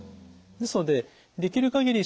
ですのでできる限り